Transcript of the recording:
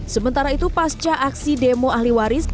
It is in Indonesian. sementara itu pasca aksi demo ahli waris